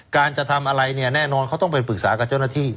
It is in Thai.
จะทำอะไรเนี่ยแน่นอนเขาต้องไปปรึกษากับเจ้าหน้าที่